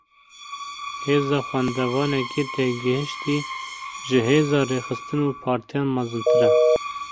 Hêza xwendevanekî têgihiştî, ji hêza rêxistin û partiyan mezintir e